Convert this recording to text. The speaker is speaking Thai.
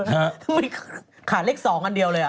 มันมีขาดเลข๒อันเดียวเลย